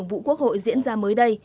vụ quốc hội diễn ra mới đây